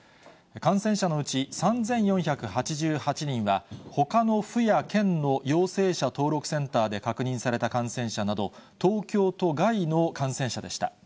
感染者のうち３４８８人は、ほかの府や県の陽性者登録センターで確認された感染者など、東京都外の感染者でした。